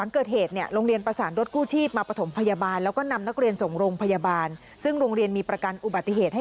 คุณผู้ชมครับ